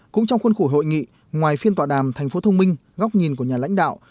cũng trong khuôn khổ hội nghị ngoài phiên tọa đàm thành phố thông minh góc nhìn của nhà lãnh đạo